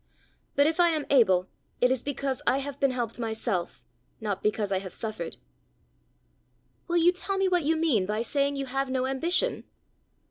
But if I am able, it is because I have been helped myself, not because I have suffered." "Will you tell me what you mean by saying you have no ambition?"